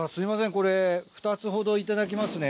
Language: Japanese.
これ２つほど頂きますね。